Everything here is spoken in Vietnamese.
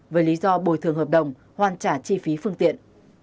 với lý do bồi thường hợp đồng hoàn trả chi phí phương tiện